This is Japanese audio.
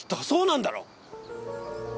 そうなんだろ！？